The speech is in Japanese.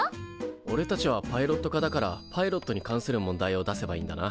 おれたちはパイロット科だからパイロットに関する問題を出せばいいんだな。